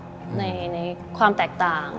เราแค่ต้องยอมรับในความแตกต่าง